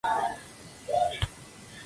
Es una planta herbácea acuática.